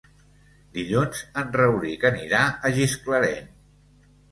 Dilluns en Rauric anirà a Gisclareny.